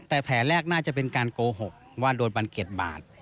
แต่แผลแรกน่าจะเป็นการโกหกว่าโดนบันเก็ตบาท